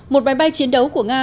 một máy bay chiến đấu của nga